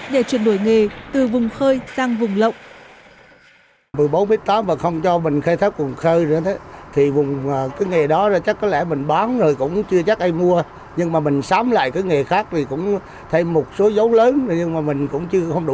để chuyển đổi nghề từ vùng khơi sang vùng lộng